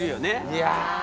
いや。